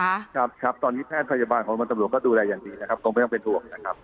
ครับครับตอนนี้แพทย์พยาบาลของมันตำรวจก็ดูแลอย่างดีนะครับคงไม่ต้องเป็นห่วงนะครับ